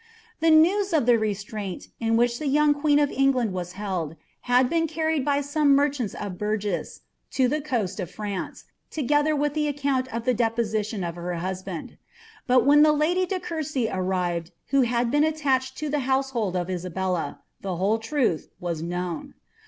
The news of ihe rtvirainl, in which the young queen of England waa held, liad been carried by some merchants of Bruges lo ihe coast of France, together with the account of die deposition of her husband. Bui. when the lady de Courcy arrived, who bad been attached to the house hold «r I»ibclla, the whole truth was known.